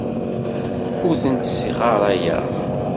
Ur tent-ssɣarayeɣ.